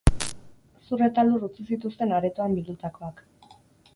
Zur eta lur utzi zituzten aretoan bildutakoak.